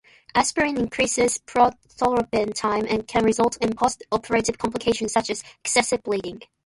Aspirin increases prothrombin time and can result in post-operative complications, such as excessive bleeding.